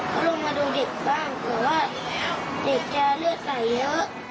เขาลงมาดูเด็กบ้างเผื่อว่าเด็กแกเลือดไหลเยอะ